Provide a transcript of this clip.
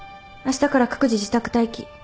あしたから各自自宅待機。